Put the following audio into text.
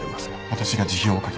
私が辞表を書きます。